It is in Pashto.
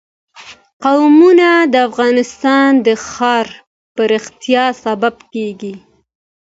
قومونه د افغانستان د ښاري پراختیا سبب کېږي.